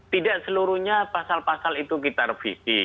tidak seluruhnya pasal pasal itu kita revisi